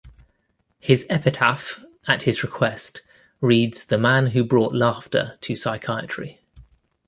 His epitaph, at his request, reads the man who brought laughter to psychiatry.